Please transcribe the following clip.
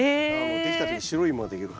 できた時に白いイモができるから。